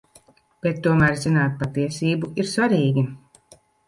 Bet tomēr zināt patiesību ir svarīgi.